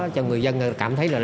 cho người dân cảm thấy là